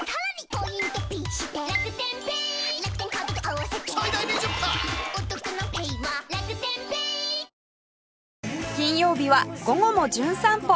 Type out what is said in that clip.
わかるぞ金曜日は『午後もじゅん散歩』